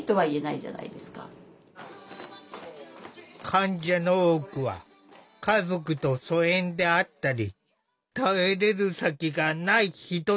患者の多くは家族と疎遠であったり頼れる先がない人たちだ。